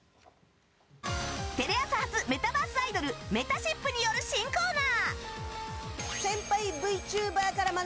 テレ朝発メタバースアイドルめたしっぷによる新コーナー！